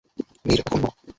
মির, এখন না।